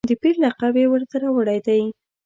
د پیر لقب یې ورته راوړی دی.